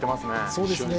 そうですね。